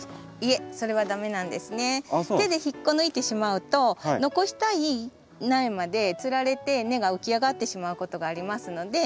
手で引っこ抜いてしまうと残したい苗までつられて根が浮き上がってしまうことがありますので。